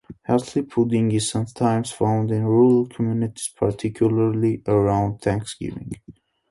Hasty pudding is sometimes found in rural communities, particularly around Thanksgiving.